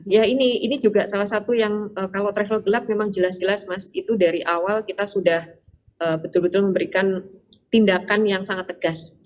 ya ini juga salah satu yang kalau travel gelap memang jelas jelas mas itu dari awal kita sudah betul betul memberikan tindakan yang sangat tegas